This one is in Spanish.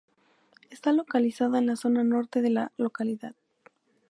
Está localizada en la zona norte de la localidad.